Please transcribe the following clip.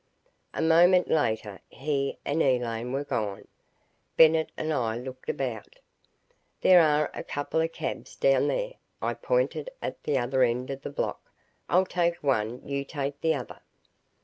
A moment later he and Elaine were gone. Bennett and I looked about. "There are a couple of cabs down there," I pointed out at the other end of the block. "I'll take one you take the other."